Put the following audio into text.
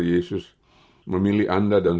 yesus memilih anda dan